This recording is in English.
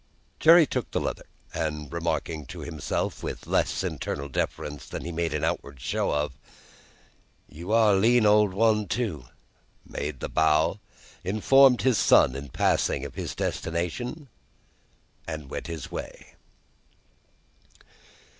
Jerry took the letter, and, remarking to himself with less internal deference than he made an outward show of, "You are a lean old one, too," made his bow, informed his son, in passing, of his destination, and went his way.